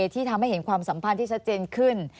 ที่ทำให้เห็นความสัมพันธ์ที่ชัดเจนขึ้น